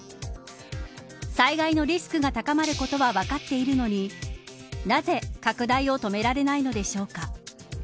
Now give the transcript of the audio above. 災害のリスクが高まることは分かっているのになぜ拡大を止められないのでしょうか。